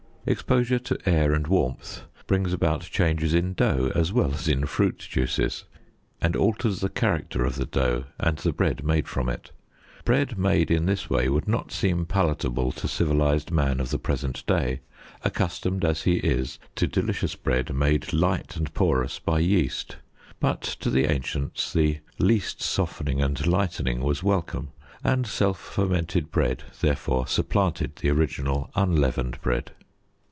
Exposure to air and warmth brings about changes in dough as well as in fruit juices, and alters the character of the dough and the bread made from it. Bread made in this way would not seem palatable to civilized man of the present day, accustomed, as he is, to delicious bread made light and porous by yeast; but to the ancients, the least softening and lightening was welcome, and self fermented bread, therefore, supplanted the original unleavened bread.